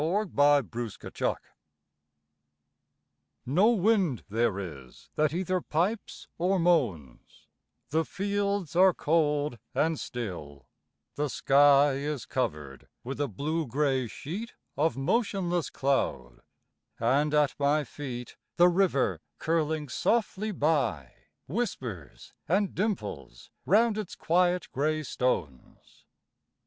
AN AUTUMN LANDSCAPE No wind there is that either pipes or moans; The fields are cold and still; the sky Is covered with a blue gray sheet Of motionless cloud; and at my feet The river, curling softly by, Whispers and dimples round its quiet gray stones.